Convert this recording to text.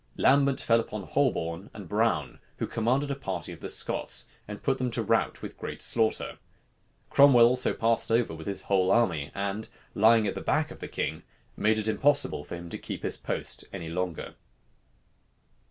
Lambert fell upon Holborne and Brown, who commanded a party of the Scots, and put them to rout with great slaughter. Cromwell also passed over with his whole army; and lying at the back of the king, made it impossible for him to keep his post any longer.